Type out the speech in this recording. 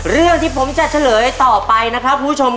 เรื่องที่ผมจะเฉลยต่อไปนะครับคุณผู้ชม